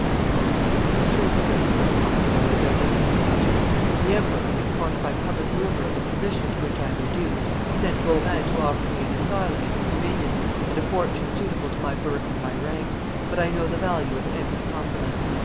"It is true, sir," said the constable, without any confusion; "the emperor, informed by public rumor of the position to which I am reduced, sent Beaurain to offer me an asylum in his dominions and a fortune suitable to my birth and my rank; but I know the value of empty compliments.